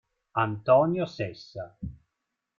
Antonio Sessa